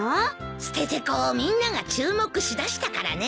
ステテコをみんなが注目しだしたからね。